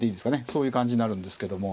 そういう感じになるんですけども。